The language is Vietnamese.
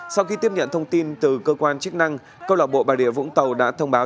sau khi tiếp nhận thông tin từ cơ quan chức năng câu lọc bộ bà rịa vũng tàu đã thông báo